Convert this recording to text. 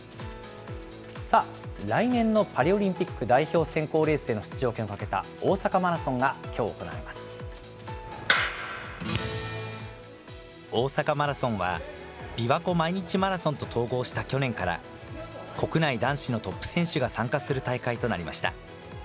来年のパリオリンピック代表選考レースへの出場権をかけた大阪マ大阪マラソンはびわ湖毎日マラソンと統合した去年から、国内男子のトップ選手が参加する大会となりました。